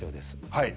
はい！